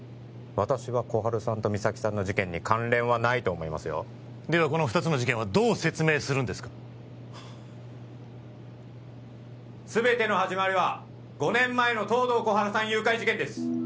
私は心春さんと実咲さんの事件に関連はないと思いますよではこの二つの事件はどう説明するんですかすべての始まりは５年前の東堂心春さん誘拐事件です！